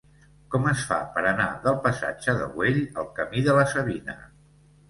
Com es fa per anar del passatge de Güell al camí de la Savina?